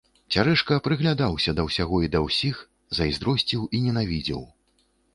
Цярэшка прыглядаўся да ўсяго і да ўсіх, зайздросціў і ненавідзеў.